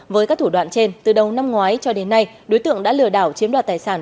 với các thủ đoạn trên từ đầu năm ngoái cho đến nay đối tượng đã lừa đảo chiếm đoạt tài sản